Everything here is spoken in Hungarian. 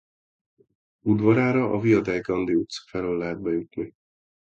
Udvarára a Via dei Gondi utca felől lehet bejutni.